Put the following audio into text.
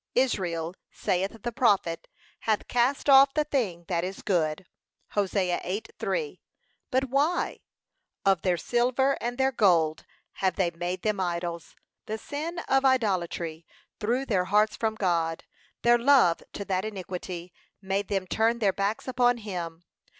'Israel,' saith the prophet, 'hath cast off the thing that is good.' (Hosea 8:3) But why? 'Of their silver and their gold have they made them idols.' The sin of idolatry threw their hearts from God; their love to that iniquity made them turn their backs upon him.